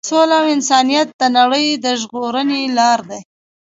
سوله او انسانیت د نړۍ د ژغورنې لار ده.